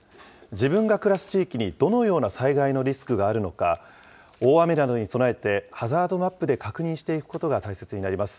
自分が暮らす地域にどのような災害のリスクがあるのか、大雨などに備えて、ハザードマップで確認していくことが大切になります。